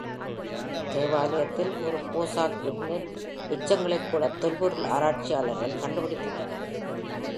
தேவாலயத்தில் ஒரு கோசாக் விருந்தின் எச்சங்களை கூட தொல்பொருள் ஆராய்ச்சியாளர்கள் கண்டுபிடித்துள்ளனர்.